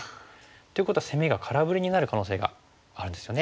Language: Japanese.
っていうことは攻めが空振りになる可能性があるんですよね。